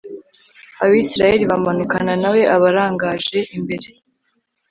abayisraheli bamanukana na we abarangaje imbere